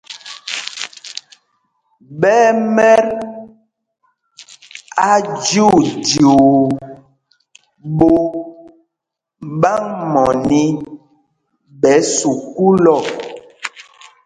Ɓɛ́ ɛ́ mɛt ajyuujyuu ɓot ɓâŋ mɔní ɓɛ sukûl ɔ.